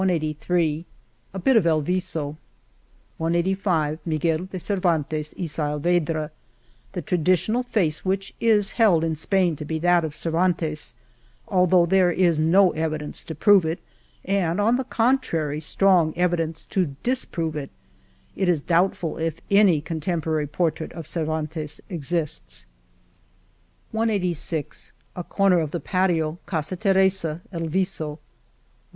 lyg AbitofEl VisOy iSj Miguel de Cervantes y Saavedra. The traditional face which is held in Spain to be that of Cervantes^ although there is no evidence to prove it, and, on the contrary y strong evidence to disprove it {It is doubtful if any contemporary portrait of Cervantes exists) iSs xxiii List of Illustrations Page A corner of the patio, Casa Teresa, El VisOy ..